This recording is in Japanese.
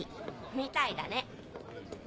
みたいだね。